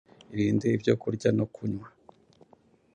Irinde ibyo kurya no kunywa